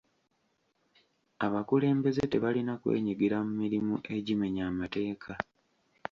Abakulembeze tebalina kwenyigira mu mirimu egimenya amateeka.